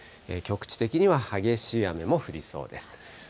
局地的には激しい雨も降りそうです。